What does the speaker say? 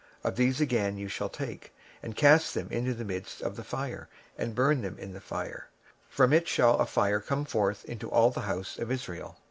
26:005:004 Then take of them again, and cast them into the midst of the fire, and burn them in the fire; for thereof shall a fire come forth into all the house of Israel.